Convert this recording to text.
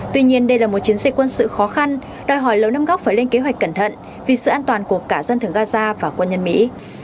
tuy nhiên đây là một chiến dịch quân sự khó khăn đòi hỏi lầu năm góc phải lên kế hoạch cẩn thận vì sự an toàn của cả dân thường gaza và quân nhân mỹ